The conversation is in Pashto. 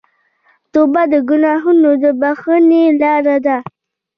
توبه د ګناهونو د بخښنې لاره ده.